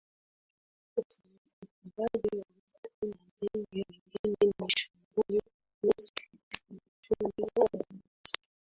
ufugaji wa kuku na ndege wengine ni shughuli nyeti katika uchumi wa binafsi